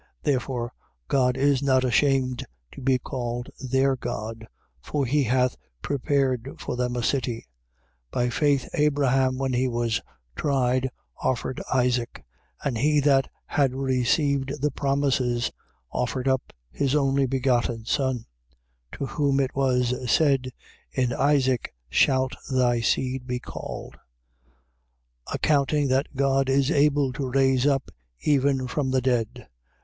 Therefore, God is not ashamed to be called their God: for he hath prepared for them a city. 11:17. By faith Abraham, when he was tried, offered Isaac: and he that had received the promises offered up his only begotten son, 11:18. (To whom it was said: In Isaac shalt thy seed be called:) 11:19. Accounting that God is able to raise up even from the dead.